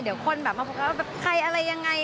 เดี๋ยวคนมาพูดว่าใครอะไรยังไง